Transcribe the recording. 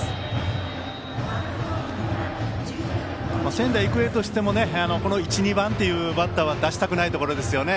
仙台育英としてもこの１、２番というバッターは出したくないところですよね。